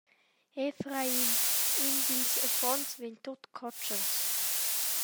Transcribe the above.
Efraim, in dils affons, vegn tut cotschens.